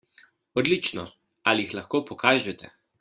Odlično, ali jih lahko pokažete?